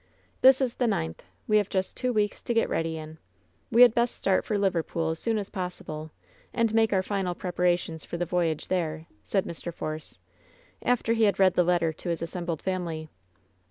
"This is the ninth. We have just two weeks to get ready in. We had best start for Liverpool as soon as possible and make our final preparations for the voyage there," said Mr. Force, after he had read the letter to his assembled family.